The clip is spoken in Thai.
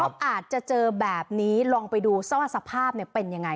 เขาอาจจะเจอแบบนี้ลองไปดูซะว่าสภาพเป็นยังไง